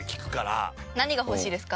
何が欲しいですか？